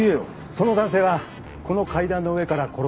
その男性はこの階段の上から転がり落ちたのかと。